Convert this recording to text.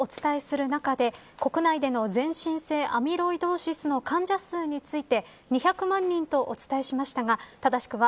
先ほどアントニオ猪木さんの訃報をお伝えする中で国内での全身性アミロイドーシスの患者数について２００万人とお伝えしましたが正しくは